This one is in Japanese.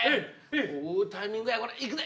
タイミングやこれいくで！